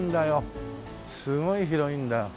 すごい広いんだ。